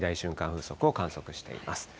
風速を観測しています。